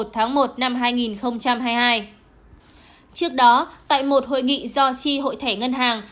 trước đó tại một hội nghị do chi hội thẻ ngân hàng